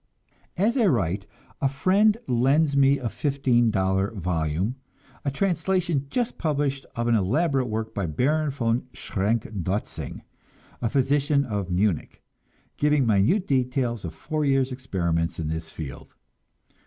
As I write, a friend lends me a fifteen dollar volume, a translation just published of an elaborate work by Baron von Schrenck Notzing, a physician of Munich, giving minute details of four years' experiments in this field.